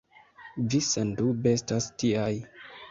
Vi sendube estas tiaj.